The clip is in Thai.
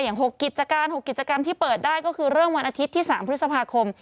๖กิจการ๖กิจกรรมที่เปิดได้ก็คือเริ่มวันอาทิตย์ที่๓พฤษภาคม